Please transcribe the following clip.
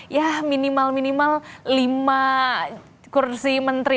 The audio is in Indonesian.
ya minimal minimal lima kursi menteri